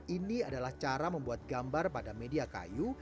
ini adalah cara membuat gambar pada media kayu